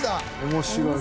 面白い。